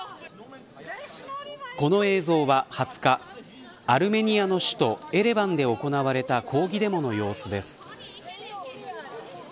この映像は２０日アルメニアの首都エレバンで行われた抗議デモの様子です。